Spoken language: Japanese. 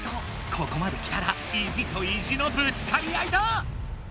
ここまで来たら意地と意地のぶつかり合いだ！